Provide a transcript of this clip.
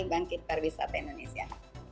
bangkit pariwisata indonesia